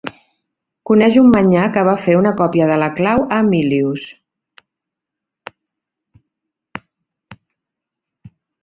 Coneix un manyà que va fer una còpia de la clau a Emilius.